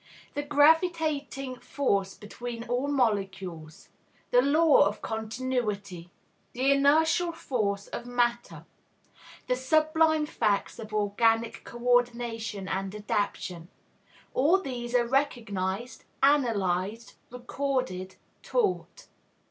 The gravitating force between all molecules; the law of continuity; the inertial force of matter; the sublime facts of organic co ordination and adaptation, all these are recognized, analyzed, recorded, taught.